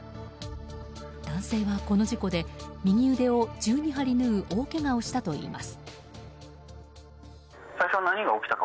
男性はこの事故で右腕を１２針縫う大けがをしたといいます。